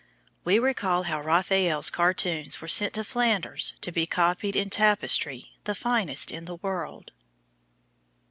We recall how Raphael's cartoons were sent to Flanders to be copied in tapestry the finest in the world.